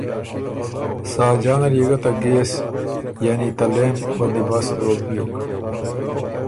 ساجان ال يې ګۀ ته ګېس (لېمپ) بندیبست دوک بیوک۔